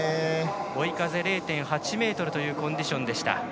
追い風０．８メートルというコンディションでした。